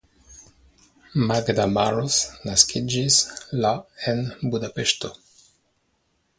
Magda Maros naskiĝis la en Budapeŝto.